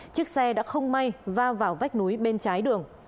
chiếc xe đã không may va vào vách núi bên trái đường